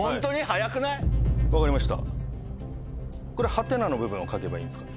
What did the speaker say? これ「？」の部分を書けばいいんですか？